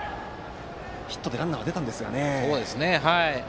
ヒットでランナーは出たんですけどね。